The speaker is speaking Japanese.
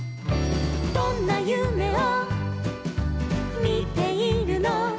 「どんなゆめをみているの」